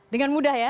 dengan mudah ya